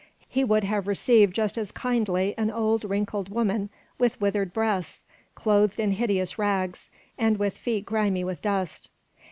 He would have received just as kindly an old, wrinkled woman with withered breasts, clothed in hideous rags, and with feet grimy with dust.